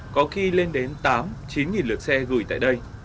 có khi lên đến tám chín lượt xe gửi tại đây